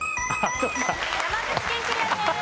山口県クリアです。